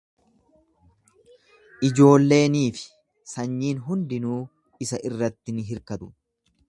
Ijoolleenii fi sanyiin hundinuu isa irratti ni hirkatu.